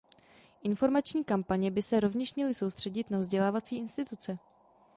Informační kampaně by se rovněž měly soustředit na vzdělávací instituce.